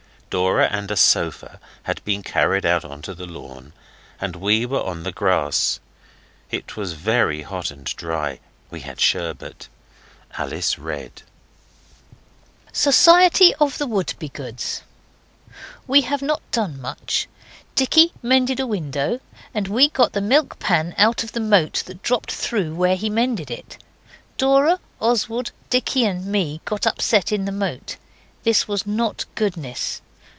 Dora and a sofa had been carried out on to the lawn, and we were on the grass. It was very hot and dry. We had sherbet. Alice read: '"Society of the Wouldbegoods. '"We have not done much. Dicky mended a window, and we got the milk pan out of the moat that dropped through where he mended it. Dora, Oswald, Dicky and me got upset in the moat. This was not goodness.